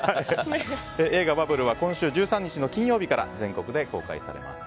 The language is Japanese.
映画「バブル」は今週１３日の金曜日から全国で公開されます。